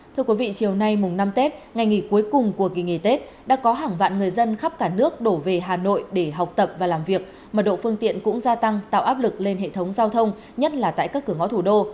thưa quý vị chiều nay mùng năm tết ngày nghỉ cuối cùng của kỳ nghỉ tết đã có hàng vạn người dân khắp cả nước đổ về hà nội để học tập và làm việc mật độ phương tiện cũng gia tăng tạo áp lực lên hệ thống giao thông nhất là tại các cửa ngõ thủ đô